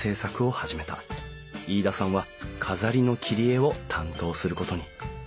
飯田さんは飾りの切り絵を担当することに。